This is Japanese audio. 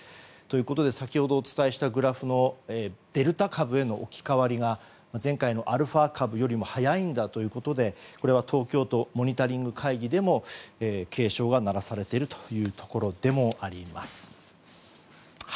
先ほどお伝えしたグラフのデルタ株への置き換わりが前回のアルファ株より早いんだということで東京都モニタリング会議でも警鐘が鳴らされていることでもあります。